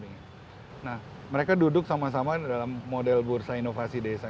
nah mereka duduk sama sama dalam model bursa inovasi desa